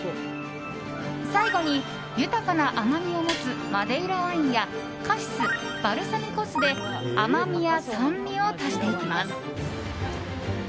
最後に、豊かな甘みを持つマデイラワインやカシス、バルサミコ酢で甘みや酸味を足していきます。